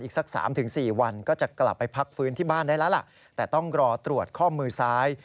สัก๓๔วันก็จะกลับไปพักฟื้นที่บ้านได้แล้วล่ะแต่ต้องรอตรวจข้อมือซ้าย